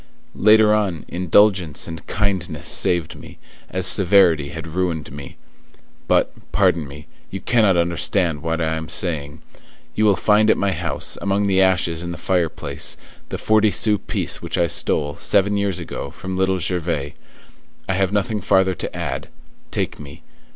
Later on, indulgence and kindness saved me, as severity had ruined me. But, pardon me, you cannot understand what I am saying. You will find at my house, among the ashes in the fireplace, the forty sou piece which I stole, seven years ago, from Little Gervais. I have nothing farther to add; take me.